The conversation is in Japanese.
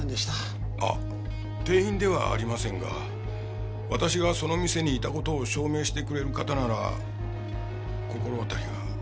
あっ店員ではありませんが私がその店にいた事を証明してくれる方なら心当たりが。